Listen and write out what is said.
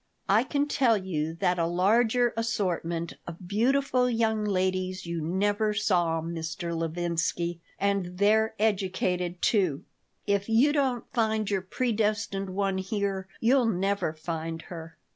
I can tell you that a larger assortment of beautiful young ladies you never saw, Mr. Levinsky. And they're educated, too. If you don't find your predestined one here you'll never find her.